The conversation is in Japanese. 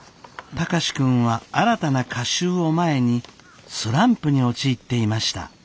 貴司君は新たな歌集を前にスランプに陥っていました。